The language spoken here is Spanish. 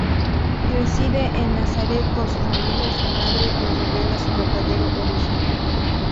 Reside en Nazaret con su familia y su madre le revela su verdadero origen.